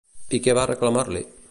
I què va reclamar-li?